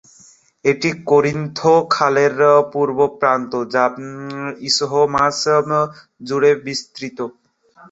এটি করিন্থ খালের পূর্ব প্রান্ত, যা ইস্থমাস জুড়ে বিস্তৃত।